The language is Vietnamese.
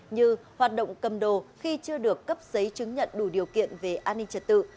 như hoạt động cầm đồ khi chưa được cấp giấy chứng nhận đủ điều kiện về an ninh trật tự